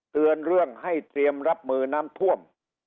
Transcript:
เตือนเรื่องให้เตรียมรับมือน้ำท่วม